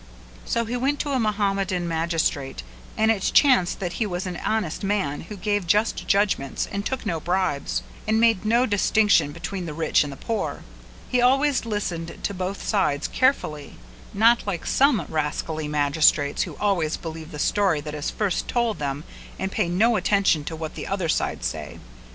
So he went to a Mahommedan magistrate and it chanced that he was an honest man who gave just judgments and took no bribes, and made no distinction between the rich and the poor; he always listened to both sides carefully, not like some rascally magistrates who always believe the story that is first told them and pay no attention to what the other side say.